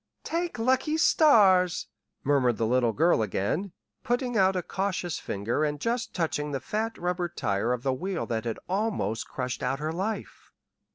"T'ank lucky stars," murmured the little girl again, putting out a cautious finger and just touching the fat rubber tire of the wheel that had almost crushed out her life.